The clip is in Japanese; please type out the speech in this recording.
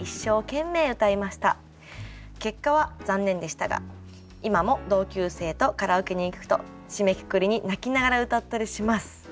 結果は残念でしたが今も同級生とカラオケに行くと締めくくりに泣きながら歌ったりします」と頂きました。